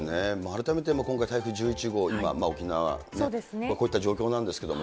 改めて今回、台風１１号、今は、沖縄ね、こういった状況なんですけど。